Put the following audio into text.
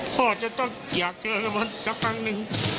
พ่อจะต้องอยากเจอกับมันสักครั้งหนึ่ง